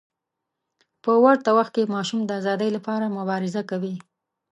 په ورته وخت کې ماشوم د ازادۍ لپاره مبارزه کوي.